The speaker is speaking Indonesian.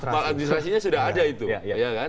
mal administrasinya sudah ada